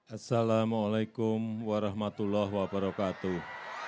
assalamu alaikum warahmatullahi wabarakatuh